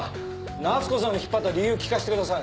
夏子さんを引っ張った理由聞かせてください。